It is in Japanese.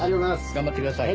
頑張ってください。